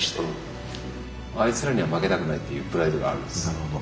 なるほど。